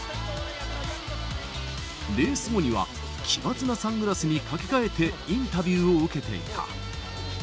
レース後には、奇抜なサングラスにかけ替えてインタビューを受けていた。